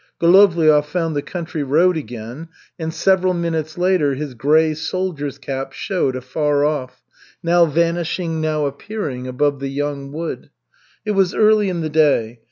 Golovliov found the country road again and several minutes later his grey soldier's cap showed afar off, now vanishing, now appearing above the young wood. It was early in the day.